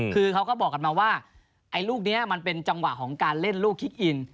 คือเขาก็บอกกันมาว่าไอ้ลูกนี้มันเป็นจังหวะของการเล่นลูกคิกอิน